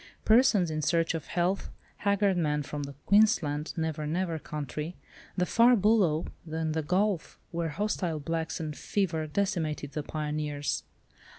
Persons in search of health, haggard men from the Queensland "Never Never" country, the far "Bulloo," and "The Gulf," where hostile blacks and fever decimated the pioneers!